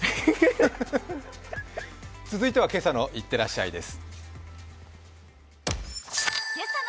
続いては「今朝のいってらっしゃい」です。